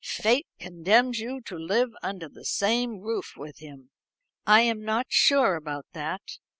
Fate condemns you to live under the same roof with him." "I am not sure about that.